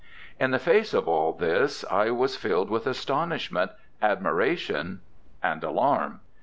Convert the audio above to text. In the face of all this I was filled with astonishment, admiration, and alarm.